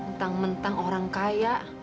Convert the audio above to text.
mentang mentang orang kaya